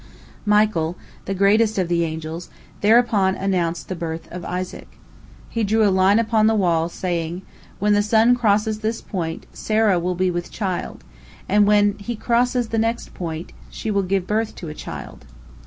Michael, the greatest of the angels, thereupon announced the birth of Isaac. He drew a line upon the wall, saying, "When the sun crosses this point, Sarah will be with child, and when he crosses the next point, she will give birth to a child."